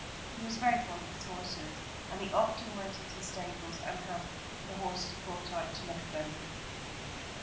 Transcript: He was very fond of his horses, and he often went into the stables, or had the horses brought out, to look at them.